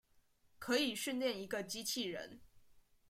可以訓練一個機器人